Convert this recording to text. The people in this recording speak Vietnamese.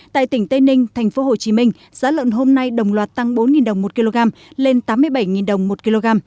tại tỉnh tây ninh thành phố hồ chí minh giá lợn hôm nay đồng loạt tăng bốn đồng một kg lên tám mươi bảy đồng một kg